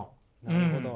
なるほど。